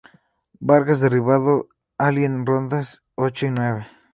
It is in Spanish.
Vargas derribado Ali en rondas ocho y nueve.